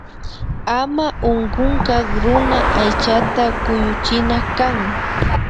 Ama unkunkak runa aychata kuyuchina kan